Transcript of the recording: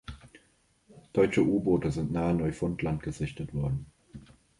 Deutsche U-Boote sind nahe Neufundland gesichtet worden.